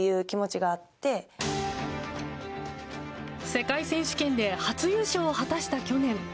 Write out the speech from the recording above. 世界選手権で初優勝を果たした去年。